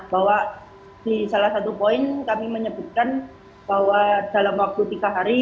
bahwa di salah satu poin kami menyebutkan bahwa dalam waktu tiga hari